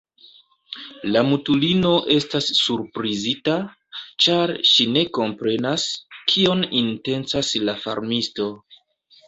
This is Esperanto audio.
La mutulino estas surprizita, ĉar ŝi ne komprenas, kion intencas la farmisto.